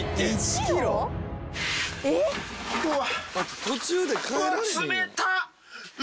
うわ。